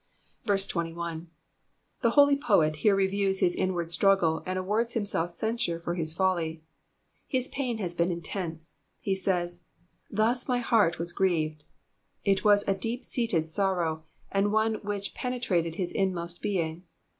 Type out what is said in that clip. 21. The holy poet here reviews his inward struggle and awards himself cen sure for his folly. His pain had been intense; he says, ^'Thus my heart wa$ grieved,''^ It was a deep seated sorrow, and one whicli penetrated his inmost being.